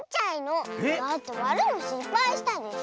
だってわるのしっぱいしたでしょ？